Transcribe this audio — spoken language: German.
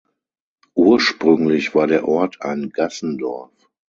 Ursprünglich war der Ort ein Gassendorf.